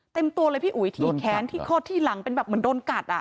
เต็มตัวเลยพี่อุ๋ยที่แค้นที่ข้อที่หลังเป็นแบบเหมือนโดนกัดอ่ะ